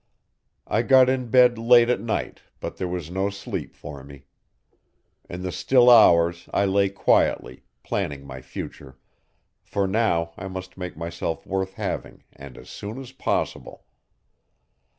I got in bed late at night but there was no sleep for me. In the still hours I lay quietly, planning my future, for now I must make myself worth having and as soon as possible.